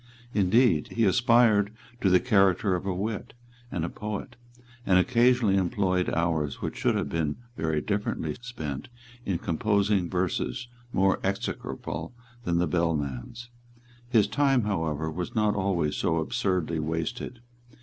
Indeed he aspired to the character of a wit and a poet, and occasionally employed hours which should have been very differently spent in composing verses more execrable than the bellman's. His time however was not always so absurdly wasted.